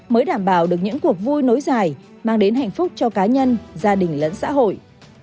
mới đảm bảo được những cuộc vui nối dài mang đến hạnh phúc cho cá nhân gia đình lẫn xã hội